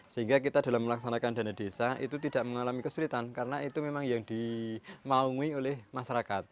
sehingga kita dalam melaksanakan dana desa itu tidak mengalami kesulitan karena itu memang yang dimaungi oleh masyarakat